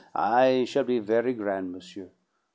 I shall be very gran', monsieur.